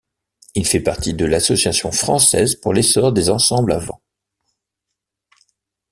Il fait partie de l’Association française pour l’essor des ensembles à vent.